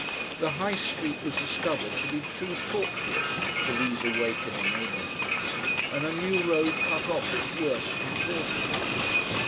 The High Street was discovered to be too tortuous for these awakening energies, and a new road cut off its worst contortions.